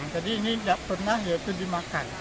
jadi ini tidak pernah dimakan